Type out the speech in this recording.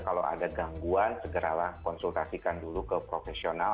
kalau ada gangguan segeralah konsultasikan dulu ke profesional